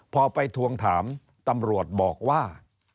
พอไปทวงถามตำรวจบอกว่า